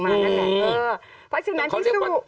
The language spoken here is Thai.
เพราะฉะนั้นที่สู้